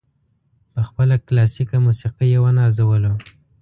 په خپله کلاسیکه موسیقي یې ونازولو.